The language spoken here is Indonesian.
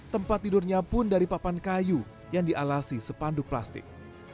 tempat tidurnya pun dari papan kayu yang dialasi sepanduk plastik